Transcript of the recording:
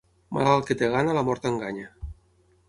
Malalt que té gana la mort enganya.